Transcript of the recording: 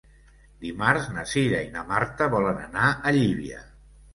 Dimarts na Cira i na Marta volen anar a Llívia.